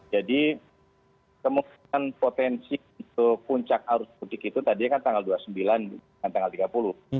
jadi kemungkinan potensi untuk puncak arus mudik itu tadi kan tanggal dua puluh sembilan dan tanggal tiga puluh